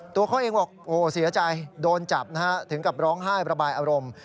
ตัวเขาเองบอกโอ้เสียใจโดนจับนะฮะถึงกับร้องไห้ประบายอารมณ์